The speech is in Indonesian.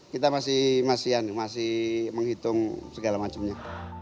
kita masih menghitung segala macamnya